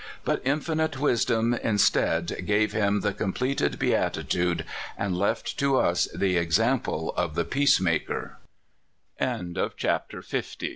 But Infinite Wis dom instead gave him the completed beatitude, and left to us the example of the Peace mak